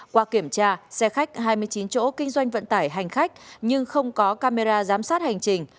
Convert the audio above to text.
qua kiểm tra xe khách hai mươi chín chỗ kinh doanh vận tải hành khách nhưng không có camera giám sát hành trình